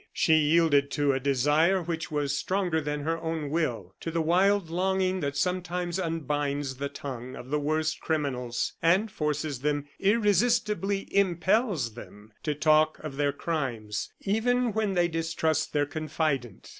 She yielded to a desire which was stronger than her own will; to the wild longing that sometimes unbinds the tongue of the worst criminals, and forces them irresistibly impels them to talk of their crimes, even when they distrust their confidant.